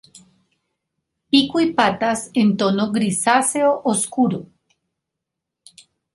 Pico y patas en tono grisáceo oscuro.